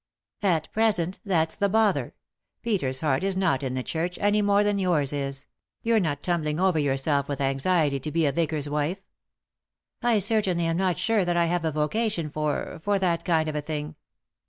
" At present ; that's the bother. Peter's heart is not in the Church, any more than yours is ; you're not tumbling over yourself with anxiety to be a vicar's wife." "I certainly am not sure that I have a vocation for— for that kind of thing."